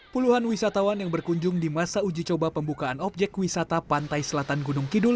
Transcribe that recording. puluhan wisatawan yang berkunjung di masa uji coba pembukaan objek wisata pantai selatan gunung kidul